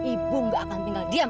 ibu gak akan tinggal diam